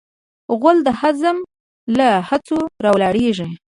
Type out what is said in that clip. غول د هضم له هڅو راولاړیږي.